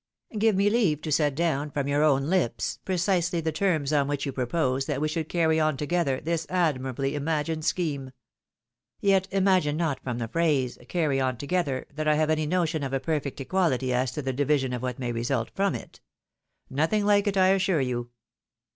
Give me leave to set down from your own lips, precisely the terms on which you propose that we should carry on together this admirably imagined scheme. Yet, imagine not from the phrase, carry on together, that I have any notion of a perfect equality as to the division of what may result from it ; nothing like it, I assure you.